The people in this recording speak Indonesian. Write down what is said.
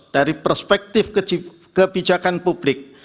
dari perspektif kebijakan publik